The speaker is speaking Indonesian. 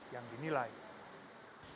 penyelenggara pendidikanlah yang dinilai